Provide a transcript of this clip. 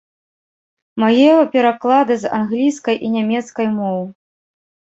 Мае пераклады з англійскай і нямецкай моў.